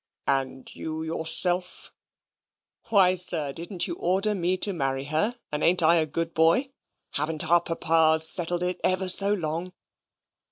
"And you yourself?" "Why, sir, didn't you order me to marry her, and ain't I a good boy? Haven't our Papas settled it ever so long?"